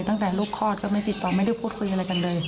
ตั้งแต่ลูกคลอดก็ไม่ติดต่อไม่ได้พูดคุยอะไรกันเลย